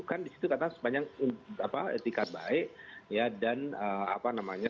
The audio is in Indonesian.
kan di situ tata sepanjang etikat baik ya dan apa namanya